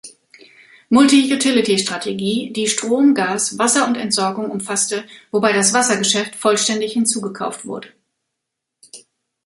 Multi-Utility-Strategie, die Strom, Gas, Wasser und Entsorgung umfasste, wobei das Wasser-Geschäft vollständig hinzugekauft wurde.